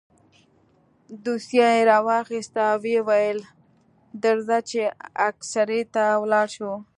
دوسيه يې راواخيسته ويې ويل درځه چې اكسرې ته ولاړ شو.